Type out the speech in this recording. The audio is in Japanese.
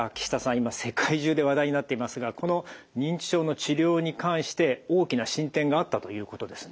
今世界中で話題になっていますがこの認知症の治療に関して大きな進展があったということですね。